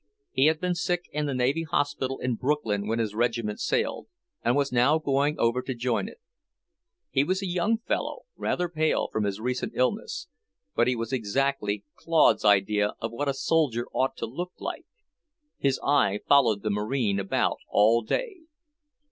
He had been sick in the Navy Hospital in Brooklyn when his regiment sailed, and was now going over to join it. He was a young fellow, rather pale from his recent illness, but he was exactly Claude's idea of what a soldier ought to look like. His eye followed the Marine about all day.